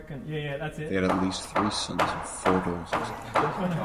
They had at least three sons and four daughters.